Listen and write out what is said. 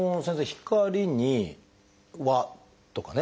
光に輪とかね